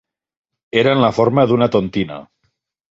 Era en la forma d'una tontina.